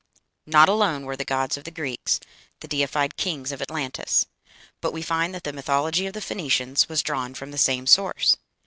Not alone were the gods of the Greeks the deified kings of Atlantis, but we find that the mythology of the Phoenicians was drawn from the same source.